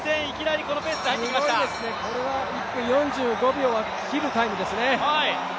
すごいですね、これは１分４５秒は切るタイムですね。